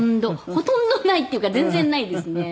ほとんどないっていうか全然ないですね。